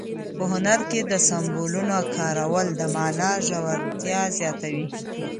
په هنر کې د سمبولونو کارول د مانا ژورتیا زیاتوي.